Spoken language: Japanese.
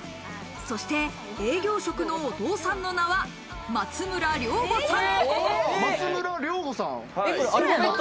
そして営業職のお父さんの名は松村亮吾さん。